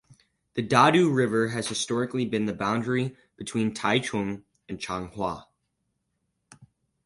The Dadu River has historically been the boundary between Taichung and Changhua.